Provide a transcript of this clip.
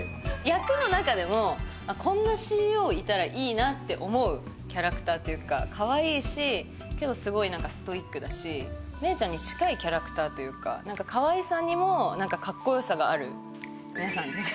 役の中でもこんなＣＥＯいたらいいなって思うキャラクターというかかわいいしけどすごいストイックだし芽郁ちゃんに近いキャラクターというかかわいさにもかっこよさがある芽郁さん